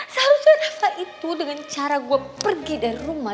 saat reva itu dengan cara gue pergi dari rumah